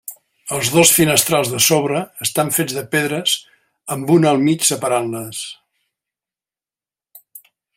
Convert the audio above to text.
Els dos finestrals de sobre estan fets de pedres, amb una al mig separant-les.